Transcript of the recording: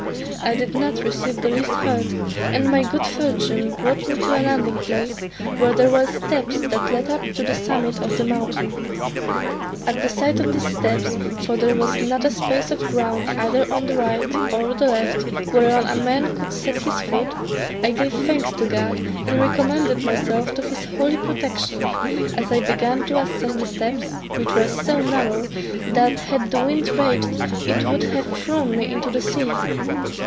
I did not receive the least hurt, and my good fortune brought me to a landing place, where there were steps that led up to the summit of the mountain. At the sight of these steps, for there was not a space of ground either on the right or left whereon a man could set his foot, I gave thanks to God; and recommended myself to his holy protection, as I began to ascend the steps, which were so narrow, that had the wind raged it would have thrown me into the sea.